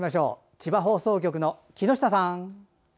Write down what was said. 千葉放送局の木下さん。